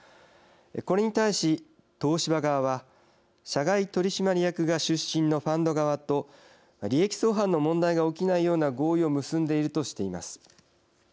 これに対し東芝側は社外取締役が出身のファンド側と利益相反の問題が起きないような合意を結んでいるとしています。